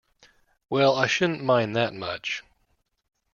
Well, I shouldn’t mind that much!